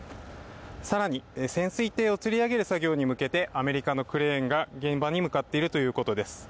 更に、潜水艇をつり上げる作業に向けてアメリカのクレーンが現場に向かっているということです。